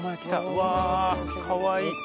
うわかわいい！